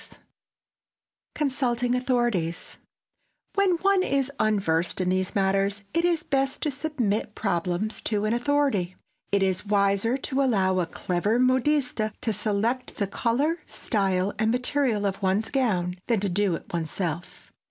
[Sidenote: CONSULTING AUTHORITIES] When one is unversed in these matters it is best to submit problems to an authority. It is wiser to allow a clever modiste to select the color, style and material of one's gown than to do it one's self.